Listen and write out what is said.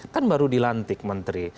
kan baru dilantik menteri